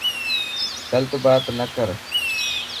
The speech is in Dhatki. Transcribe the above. گلت بات نه ڪر.